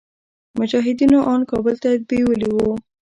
مجاهدينو ان کابل ته بيولي وو.